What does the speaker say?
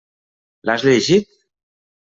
L'has llegit?